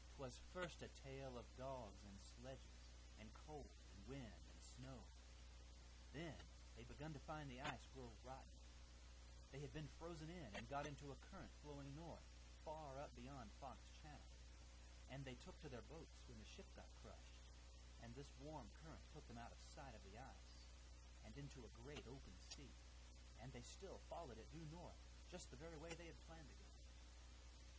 "'Twas first a tale of dogs and sledges, and cold and wind and snow. Then they begun to find the ice grow rotten; they had been frozen in, and got into a current flowing north, far up beyond Fox Channel, and they took to their boats when the ship got crushed, and this warm current took them out of sight of the ice, and into a great open sea; and they still followed it due north, just the very way they had planned to go.